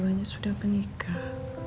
mami jangan menyerah